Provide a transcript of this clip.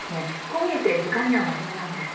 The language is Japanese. こう見えて時間には真面目なんです。